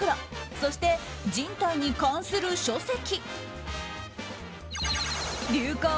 そして人体に関する書籍。